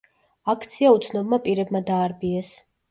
აქცია უცნობმა პირებმა დაარბიეს.